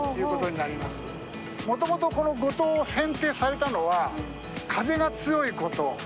もともとこの五島を選定されたのは風が強いこと。